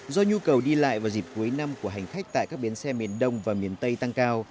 do nhu cầu đi lại vào dịp cuối năm của hành khách tại các bến xe miền đông và miền tây tăng cao